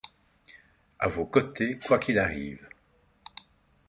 À vos côtés quoi qu'il arrive.